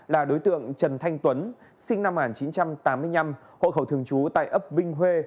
là đối tượng trần thanh tuấn sinh năm một nghìn chín trăm tám mươi năm hộ khẩu thường trú tại ấp vinh huê